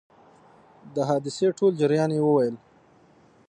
د حادثې ټول جریان یې وویل.